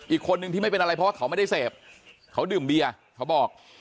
อีกคนนึงที่ไม่เป็นอะไรเพราะว่าเขาไม่ได้เสพเขาดื่มเบียร์เขาบอก